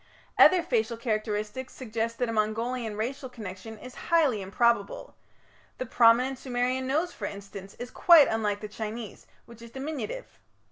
Other facial characteristics suggest that a Mongolian racial connection is highly improbable; the prominent Sumerian nose, for instance, is quite unlike the Chinese, which is diminutive.